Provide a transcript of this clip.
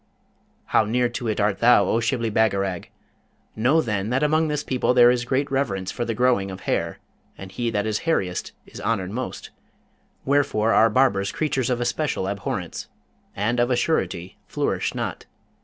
How near to it art thou, O Shibli Bagarag! Know, then, that among this people there is great reverence for the growing of hair, and he that is hairiest is honoured most, wherefore are barbers creatures of especial abhorrence, and of a surety flourish not.